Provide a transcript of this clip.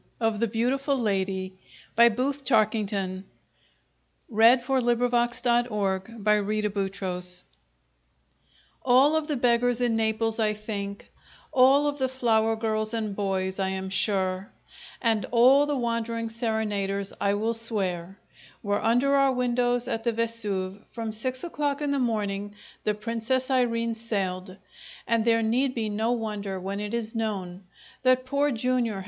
"Not for you, Prince Caravacioli," she cried, through her tears, "Not for you!" Chapter Ten All of the beggars in Naples, I think, all of the flower girls and boys, I am sure, and all the wandering serenaders, I will swear, were under our windows at the Vesuve, from six o'clock on the morning the "Princess Irene" sailed; and there need be no wonder when it is known that Poor Jr.